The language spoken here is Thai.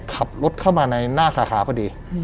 ขับรถเข้ามาในหน้าสาขาพอดี